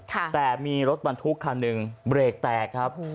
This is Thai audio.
แต่มีรถบรรทุกคันหนึ่งเบรกแตกครับ